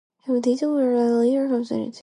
The data were later computerized for processing.